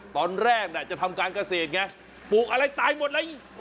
ตอนแรกจะทำการเกษตรไงปลูกอะไรตายหมดแล้ว